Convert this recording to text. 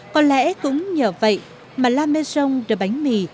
có lẽ cũng nhờ vậy mà la maison de bánh mì